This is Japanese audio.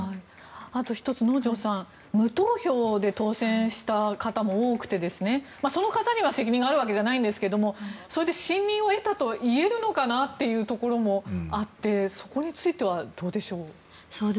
あと１つ、能條さん無投票で当選した方も多くてその方には責任があるわけじゃないんですけれどもそれで信任を得たといえるのかなというところもあってそこについてはどうでしょう。